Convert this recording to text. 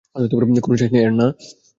কোনো শেষ নেই এর, না?